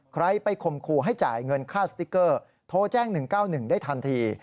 ใครไปข่มขู่ให้จ่ายเงินค่าสติ๊กเกอร์โทรแจ้ง๑๙๑ได้ทันที